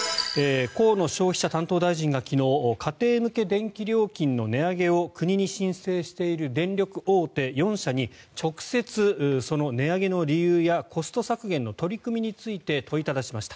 河野消費者担当大臣が昨日家庭向け電気料金の値上げを国に申請している電力大手４社に直接その値上げの理由やコスト削減に取り組みについて問いただしました。